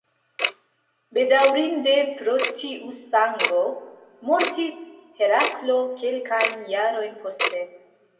Bedaŭrinde, pro tiu sango mortis Heraklo kelkajn jarojn poste.